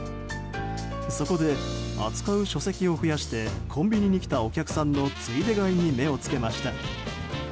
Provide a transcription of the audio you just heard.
そこで扱う書籍を増やしてコンビニに来たお客さんのついで買いに目を付けました。